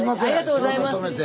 仕事止めて。